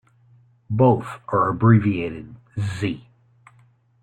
Both are abbreviated Z.